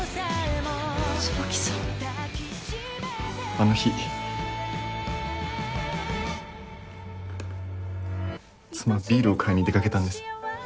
あの日妻はビールを買いに出かけたんです。